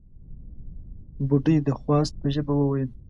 بوډۍ د خواست په ژبه وويل: